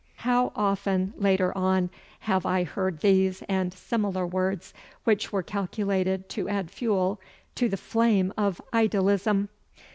How often later on have I heard these and similar words which were calculated to add fuel to the flame of idealism.